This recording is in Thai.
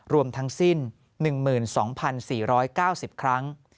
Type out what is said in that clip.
รวมทั้งสิ้น๑๒๔๙๐ครั้ง